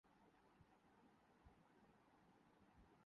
وہ تو ہیں۔